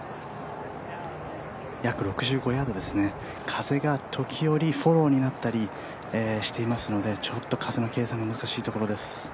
約６５ヤードですね、風が時折フォローになったりしていますのでちょっと風の計算が難しいところです。